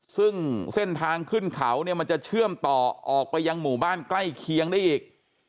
ซึ่งเส้นทางขึ้นเขาเนี่ยมันจะเชื่อมต่อออกไปยังหมู่บ้านใกล้เคียงได้อีก